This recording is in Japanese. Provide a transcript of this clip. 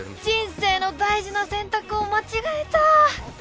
人生の大事な選択を間違えた！